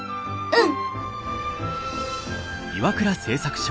うん。